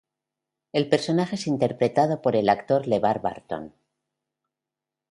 El personaje es interpretado por el actor LeVar Burton.